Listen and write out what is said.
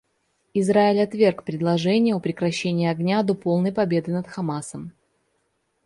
Израиль отверг предложения о прекращении огня до полной победы над Хамасом.